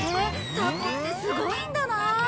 タコってすごいんだなあ。